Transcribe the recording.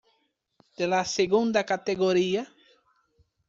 De la segunda categoría.